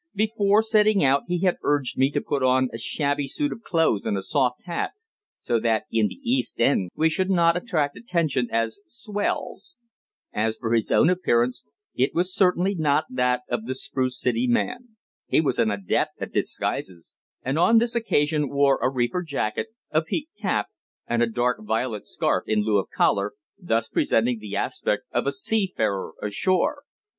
Before setting out he had urged me to put on a shabby suit of clothes and a soft hat, so that in the East End we should not attract attention as "swells." As for his own personal appearance, it was certainly not that of the spruce city man. He was an adept at disguises, and on this occasion wore a reefer jacket, a peaked cap, and a dark violet scarf in lieu of collar, thus presenting the aspect of a seafarer ashore.